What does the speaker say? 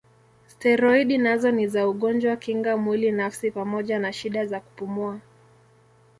Steroidi nazo ni za ugonjwa kinga mwili nafsi pamoja na shida za kupumua.